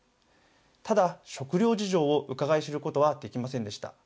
ただ、食料事情をうかがい知ることはできませんでした。